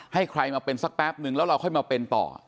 ให้ใครมาเป็นสักแป๊บนึงแล้วเราค่อยมาเป็นต่อ